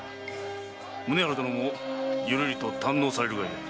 宗春殿もゆるりと堪能されるがよい。